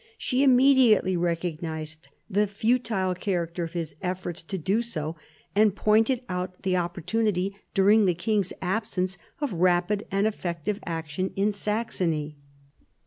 She immediately recognised the futile character of his efforts to do so, and pointed out the opportunity during the king's absence of rapid and effective action in Saxony.